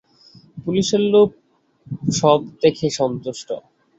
পুলিশের লোক সব দেখে সন্তুষ্ট।